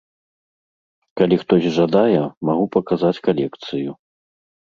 Калі хтось жадае, магу паказаць калекцыю.